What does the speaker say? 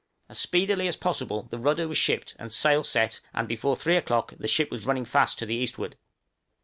As speedily as possible the rudder was shipped and sail set, and before three o'clock the ship was running fast to the eastward!